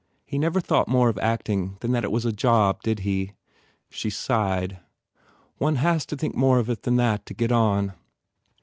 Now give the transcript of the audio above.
He never thought more of acting than that it was a job, did he?" She sighed, "One has to think more of it than that to get on."